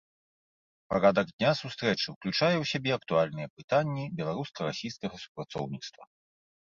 Парадак дня сустрэчы ўключае ў сябе актуальныя пытанні беларуска-расійскага супрацоўніцтва.